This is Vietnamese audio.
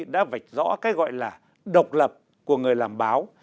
đã vạch rõ cái gọi là độc lập của người làm báo